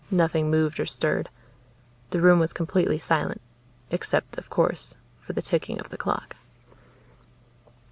Nothing moved or stirred. The room was completely silent, except, of course, for the ticking of the clock.